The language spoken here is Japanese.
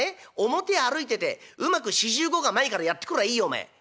表歩いててうまく４５が前からやって来りゃいいよお前。